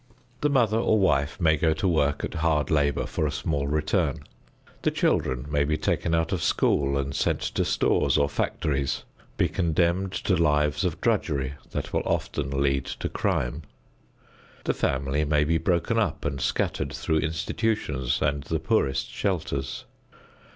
The mother or wife may go to work at hard labor for a small return; the children may be taken out of school and sent to stores or factories, be condemned to lives of drudgery that will often lead to crime. The family may be broken up and scattered through institutions and the poorest shelters.